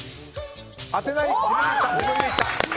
当てない。